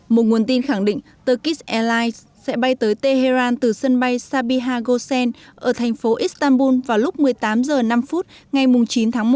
một nguồn tin khẳng định turkish airlines sẽ bay tới tehran từ sân bay sabiha gosen ở thành phố istanbul vào lúc một mươi tám h năm ngày chín tháng một